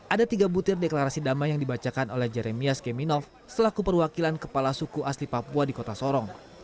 ada tiga butir deklarasi damai yang dibacakan oleh jeremias keminov selaku perwakilan kepala suku asli papua di kota sorong